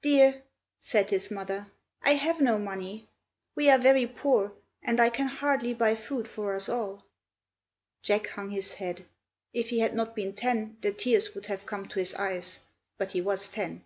"Dear," said his mother, "I have no money. We are very poor, and I can hardly buy food for us all." Jack hung his head; if he had not been ten the tears would have come to his eyes, but he was ten.